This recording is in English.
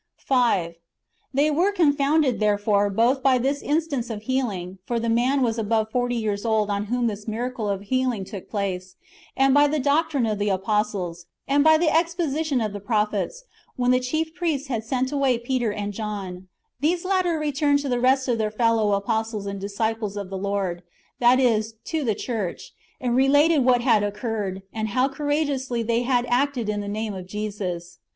5. They were confounded, therefore, both by this instance of healing ("for the man was above forty years old on whom this miracle of healing took place "^), and by the doctrine of ^ Acts iii. 12, etc. Acts iv. 2. 3 Acts iv. 8, etc. •* Acts iv. 22. Book iil] IREN^US AGAINST HERESIES. 301 the apostles, and by the exposition of the prophets, when the chief priests had sent away Peter and John. [These Latter] returned to the rest of their fellow apostles and disciples of the Lord, that is, to the church, and. related what had oc curred, and how courageously they had acted in the name of Jesus.